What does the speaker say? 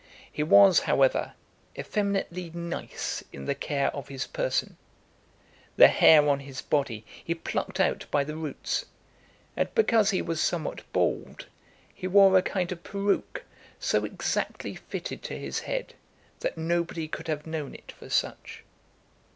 He was, however, effeminately nice in the care of his person: the hair on his body he plucked out by the roots; and because he was somewhat bald, he wore a kind of peruke, so exactly fitted to his head, that nobody could have known it for such.